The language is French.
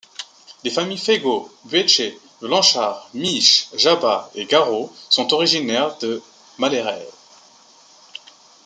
Les familles Faigaux, Bueche, Blanchard, Miche, Jabas et Garraux sont originaires de Malleray.